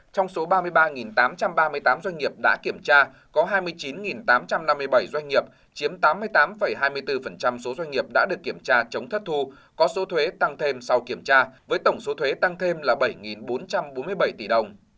trong số ba mươi ba tám trăm ba mươi tám doanh nghiệp đã kiểm tra có hai mươi chín tám trăm năm mươi bảy doanh nghiệp chiếm tám mươi tám hai mươi bốn số doanh nghiệp đã được kiểm tra chống thất thu có số thuế tăng thêm sau kiểm tra với tổng số thuế tăng thêm là bảy bốn trăm bốn mươi bảy tỷ đồng